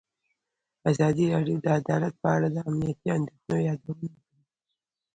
ازادي راډیو د عدالت په اړه د امنیتي اندېښنو یادونه کړې.